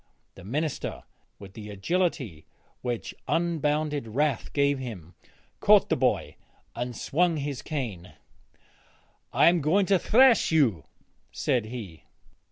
The minister, with the agility which unbounded wrath gave him, caught the boy' and swung his cane. 'I am going to thrash you,' said he.